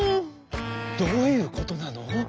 「どういうことなの？